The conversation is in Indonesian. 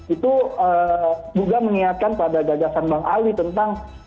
itu juga mengingatkan pada gagasan bang ali tentang